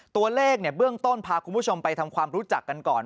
ตัวเลขเบื้องต้นพาคุณผู้ชมไปทำความรู้จักกันก่อน